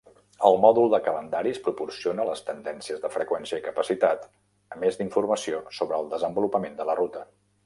El mòdul de calendaris proporciona les tendències de freqüència i capacitat, a més d"informació sobre el desenvolupament de la ruta.